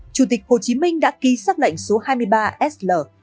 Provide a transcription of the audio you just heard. chủ tịch hồ chí minh đã ký xác lệnh số hai mươi ba sl